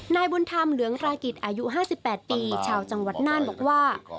นายบุญธรรมเหลืองรากิจอายุ๕๘ปีชาวจังหวัดน่านบอกว่า